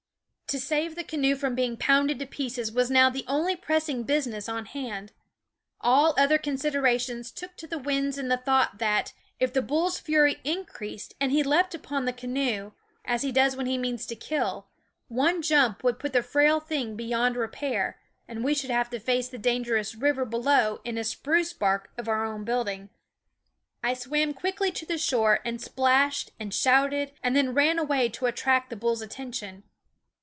To save the canoe from being pounded to pieces was now the only pressing business on hand. All other considerations took to the winds in the thought that, if the bull's fury increased and he leaped upon the canoe, as he does when he means to kill, one jump would put the frail thing beyond repair, and we should have to face the dangerous river below in a spruce bark of our own building. I swam quickly to the shore and splashed and shouted and then ran away to attract the bull's attention.